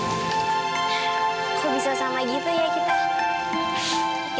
aku bisa sama gitu ya kita